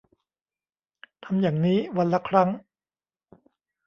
ทำอย่างนี้วันละครั้ง